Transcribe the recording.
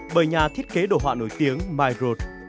bởi nhà thiết kế đồ họa nổi tiếng myroad